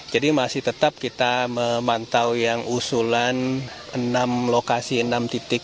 jadi masih tetap kita memantau yang usulan enam lokasi enam titik